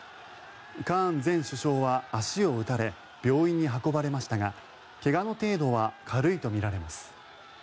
カーン前首相は足を撃たれ病院に運ばれましたが怪我の程度は軽いとみられます。